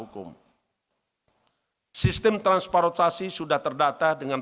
aksi penguatan modal penyelamat